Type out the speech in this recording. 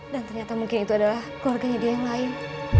dan ternyata mungkin itu adalah keluarganya dia yang lain